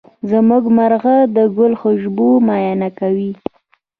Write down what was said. زمونږ مرغه د ګل د خوشبو معاینه کوي.